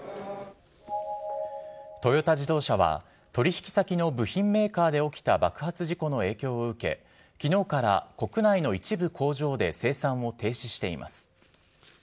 トヨタ自動車は、取り引き先の部品メーカーで起きた爆発事故の影響を受け、きのうから国内の一部工場で生産を停止しています。